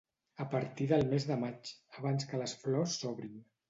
A partir del mes de maig, abans que les flors s'obrin.